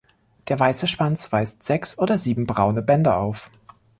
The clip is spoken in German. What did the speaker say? Der weiße Schwanz weist sechs oder sieben braune Bänder auf.